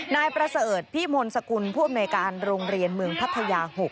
นายประเสริฐพี่มนต์สกุลผู้อำนวยการโรงเรียนเมืองพัทยา๖